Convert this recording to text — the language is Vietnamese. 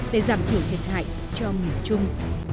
để giảm thiểu thiệt hại cho người chung